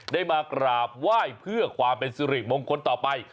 ได้มากราบไหว้เพื่อความเป็นสิริมงคลต่อไป